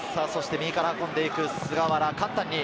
右から運んでいく菅原。